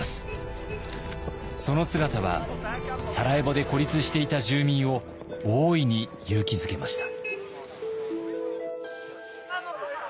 その姿はサラエボで孤立していた住民を大いに勇気づけました。